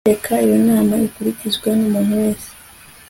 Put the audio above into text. Reka iyo nama ikurikizwe numuntu wese